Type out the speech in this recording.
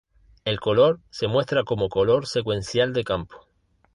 El color se muestra como "color secuencial de campo".